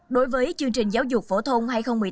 đối với chương trình giáo dục phổ thông hai nghìn một mươi tám